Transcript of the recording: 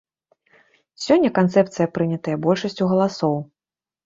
Сёння канцэпцыя прынятая большасцю галасоў.